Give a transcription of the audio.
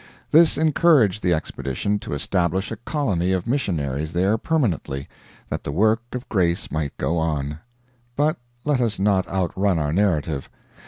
This encouraged the expedition to establish a colony of missionaries there permanently, that the work of grace might go on. But let us not outrun our narrative.